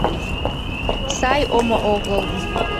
Сай омо огыл...